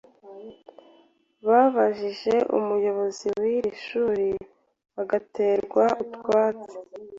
Babajije umuyobozi w’iri shuri bagaterwa utwatsi